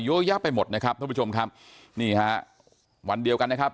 เยอะแยะไปหมดนะครับท่านผู้ชมครับนี่ฮะวันเดียวกันนะครับ